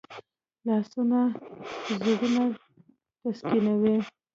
لاسونه زړونه تسکینوي